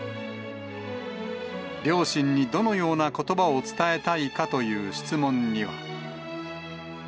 両親にどのようなことばを伝えたいかという質問には。